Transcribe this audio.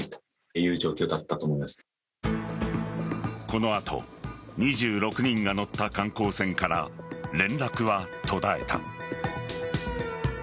この後２６人が乗った観光船から連絡は途絶えた。